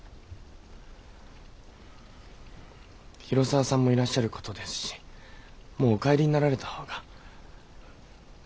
広沢さんもいらっしゃる事ですしもうお帰りになられた方が。